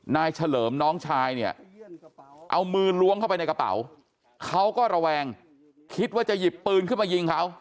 เฉลิมน้องชายเนี่ยเอามือล้วงเข้าไปในกระเป๋าเขาก็ระแวงคิดว่าจะหยิบปืนขึ้นมายิงเขา